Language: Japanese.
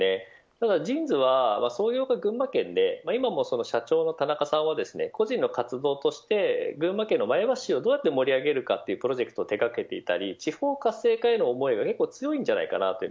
ただＪＩＮＳは創業が群馬県で今も社長の田中さんは個人の活動として群馬県の前橋市をどうやって盛り上げるかというプロジェクトを手掛けていたり地方活性化への強い思いがあります。